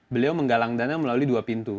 beliau menggalang dana melalui dua pintu